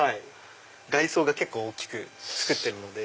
外装結構大きく作ってるので。